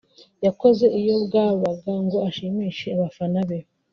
yakoze iyo bwabaga ngo ashimishe abafana be